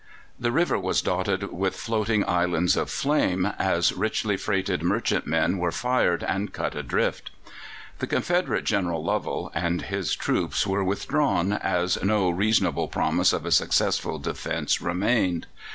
The river was dotted with floating islands of flame, as richly freighted merchantmen were fired and cut adrift. The Confederate General Lovell and his troops were withdrawn, as no reasonable promise of a successful defence remained.